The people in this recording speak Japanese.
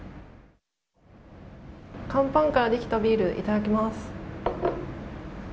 乾パンからできたビールいただきます。